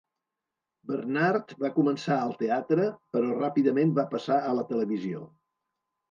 Bernard va començar al teatre, però ràpidament va passar a la televisió.